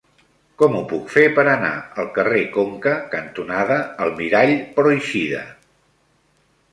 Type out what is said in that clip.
Com ho puc fer per anar al carrer Conca cantonada Almirall Pròixida?